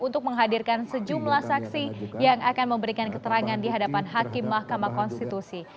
untuk menghadirkan sejumlah saksi yang akan memberikan keterangan di hadapan hakim mahkamah konstitusi